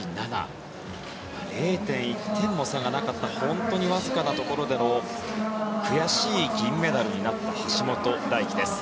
０．１点も差がなかった本当にわずかなところでの悔しい銀メダルになった橋本大輝です。